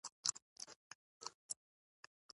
ټولنه د نا ارامۍ په تبه اخته کېږي.